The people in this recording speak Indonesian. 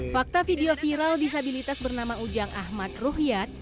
fakta video viral disabilitas bernama ujang ahmad ruhyat